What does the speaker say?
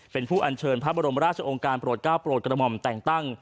เป็นผู้อัญเชิญพระบรมราชองค์การโปรดก้าวโปรดกระหม่อมแต่งตั้ง